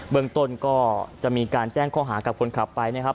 เมืองต้นก็จะมีการแจ้งข้อหากับคนขับไปนะครับ